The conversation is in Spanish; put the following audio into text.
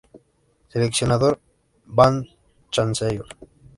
Seleccionador: Van Chancellor.